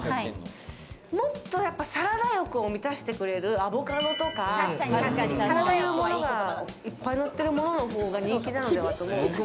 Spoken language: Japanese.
もっとサラダ欲を満たしてくれるアボカドとか、そういうものがいっぱいのってるものの方が人気なのではと。